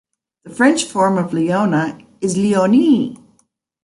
The French form of Leona is Leonie.